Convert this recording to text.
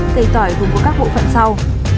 cây tỏi thuộc các bộ phận sau